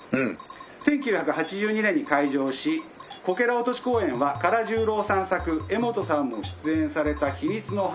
１９８２年に開場しこけら落とし公演は唐十郎さん作柄本さんも出演された『秘密の花園』。